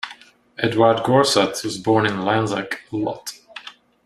Edouard Goursat was born in Lanzac, Lot.